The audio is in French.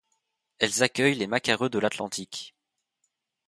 Elles accueillent les macareux de l’Atlantique.